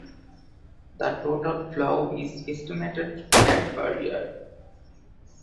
The total flow is estimated at per year.